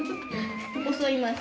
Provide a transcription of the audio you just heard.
襲います。